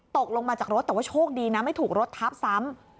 ตกลงมาจากรถแต่ว่าโชคดีนะไม่ถูกรถทับซ้ำ